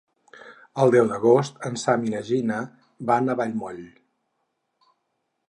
El deu d'agost en Sam i na Gina van a Vallmoll.